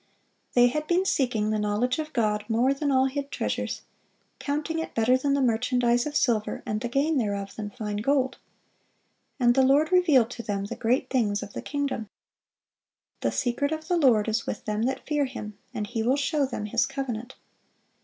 (505) They had been seeking the knowledge of God more than all hid treasures, counting it "better than the merchandise of silver, and the gain thereof than fine gold."(506) And the Lord revealed to them the great things of the kingdom. "The secret of the Lord is with them that fear Him; and He will show them His covenant."